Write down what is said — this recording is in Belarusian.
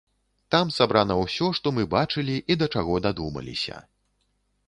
Там сабрана ўсё, што мы бачылі, і да чаго дадумаліся.